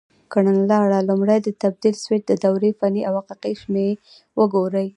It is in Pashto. کړنلاره: لومړی د تبدیل سویچ د دورې فني او حقیقي شمې وګورئ.